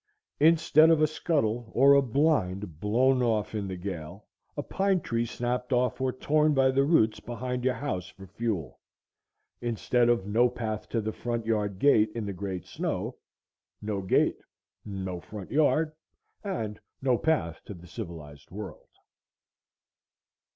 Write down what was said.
Instead of a scuttle or a blind blown off in the gale,—a pine tree snapped off or torn up by the roots behind your house for fuel. Instead of no path to the front yard gate in the Great Snow,—no gate,—no front yard,—and no path to the civilized world!